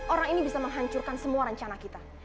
orang ini bisa menghancurkan semua rencana kita